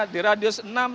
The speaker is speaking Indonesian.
di radius enam